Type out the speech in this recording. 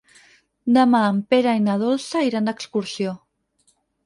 Demà en Pere i na Dolça iran d'excursió.